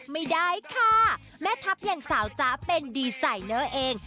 ไม่ได้ค่ะแม่ทัพอย่างสาวจ๊ะเป็นดีไซเนอร์เอง